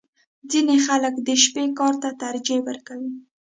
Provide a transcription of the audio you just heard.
• ځینې خلک د شپې کار ته ترجیح ورکوي.